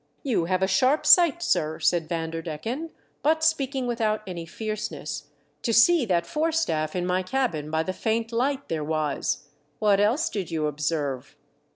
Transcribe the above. " You have a sharp sight, sir," said Vanderdecken, but speaking without any fierceness, " to see that fore staff in my cabin by the faint light there was. What else did you observe